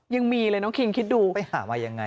ยังมีเลยน้องคิงคิดดูไปหามายังไง